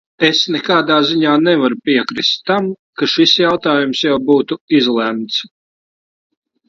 Es nekādā ziņā nevaru piekrist tam, ka šis jautājums jau būtu izlemts.